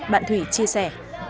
bạn thủy chia sẻ